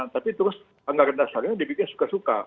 tapi terus anggaran dasarnya dibikin suka suka